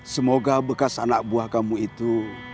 semoga bekas anak buah kamu itu